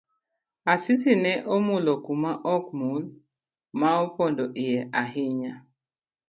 Asisi ne omulo kuma okmul ma opondo iye ahinya.